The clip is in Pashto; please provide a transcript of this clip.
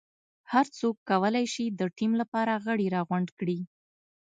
هر څوک کولای شي د ټیم لپاره غړي راغونډ کړي.